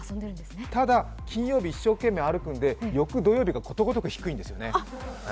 ただ、金曜日一生懸命歩くので、翌土曜日がことごとく低いんですよね。